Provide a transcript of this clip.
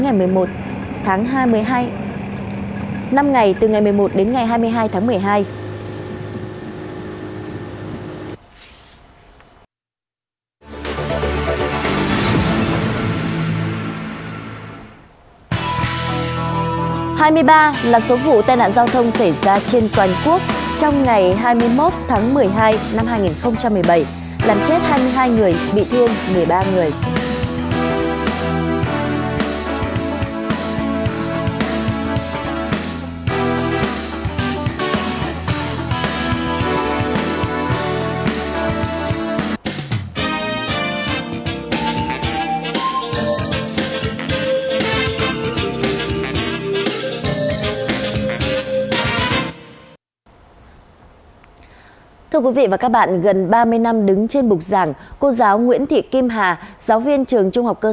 ngày năm đến ngày một mươi một tháng hai mươi hai năm ngày từ ngày một mươi một đến ngày hai mươi hai tháng một mươi hai